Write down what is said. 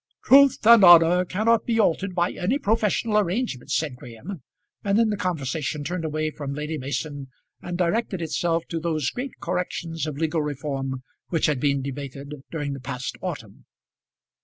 "Truth and honour cannot be altered by any professional arrangements," said Graham; and then the conversation turned away from Lady Mason, and directed itself to those great corrections of legal reform which had been debated during the past autumn.